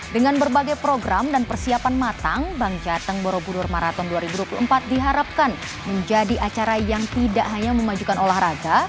dengan berbagai program dan persiapan matang bank jateng borobudur marathon dua ribu dua puluh empat diharapkan menjadi acara yang tidak hanya memajukan olahraga